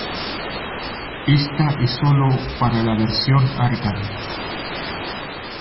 Esta es solo para la versión arcade.